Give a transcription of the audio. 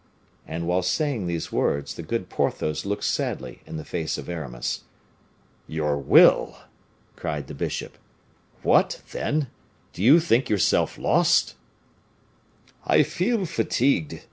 And while saying these words, the good Porthos looked sadly in the face of Aramis. "Your will!" cried the bishop. "What, then! do you think yourself lost?" "I feel fatigued.